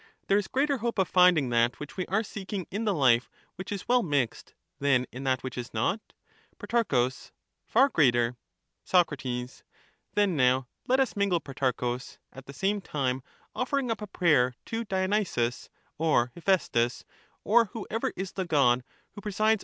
There is greater hope of finding that which we are 0"^ seeking in the life which is well mixed than in that which is not ? Pro. Far greater. Soc. Then now let us mingle, Protarchus, at the^same time offering up a prayer to(Bi6hysus or TIepliaestus) or whoever is the god who presid55~Dver^e Ceremony of mingling.